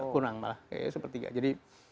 kurang malah sepertiga jadi